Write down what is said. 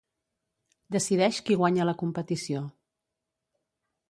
Decideix qui guanya la competició.